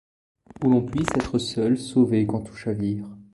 Où l'on puisse être seul sauvé quand tout chavire.